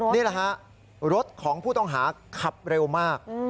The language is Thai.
นี่แหละฮะรถของผู้ต้องหาขับเร็วมาก